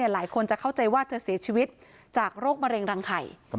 หลายคนจะเข้าใจว่าเธอเสียชีวิตจากโรคมะเร็งรังไข่